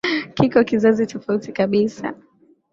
kiko kizazi tofauti kabisa